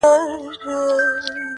ستا و مخ ته چي قدم دی خو ته نه يې,